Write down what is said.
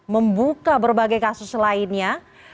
membuka berbagai kasus lainnya